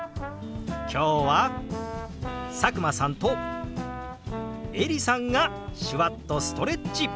今日は佐久間さんとエリさんが手話っとストレッチ！